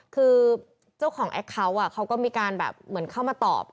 คือเจ้าของแอคเคาน์เขาก็มีการแบบเหมือนเข้ามาตอบ